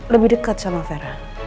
lebih deket sama vera